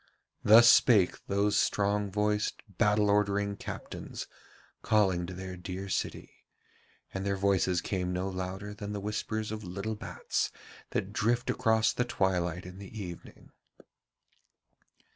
Thus spake those strong voiced, battle ordering captains, calling to their dear city, and their voices came no louder than the whispers of little bats that drift across the twilight in the evening.